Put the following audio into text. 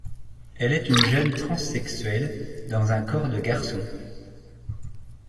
Elle est une jeune transsexuelle dans un corps de garçon.